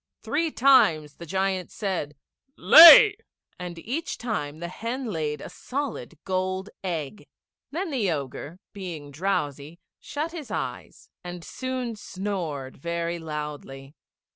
Three times the giant said "Lay," and each time the hen laid a solid gold egg. Then the Ogre, being drowsy, shut his eyes, and soon snored very loudly.